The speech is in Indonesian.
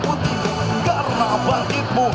kutipu karena bangkitmu